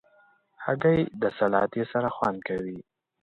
هګۍ د سلاتې سره خوند کوي.